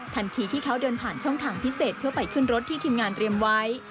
ทันทีที่เขาเดินผ่านช่องทางพิเศษเพื่อไปขึ้นรถที่ทีมงานเตรียมไว้